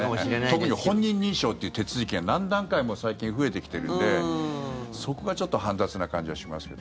特に本人認証という手続きが何段階も最近増えてきてるのでそこがちょっと煩雑な感じはしますけど。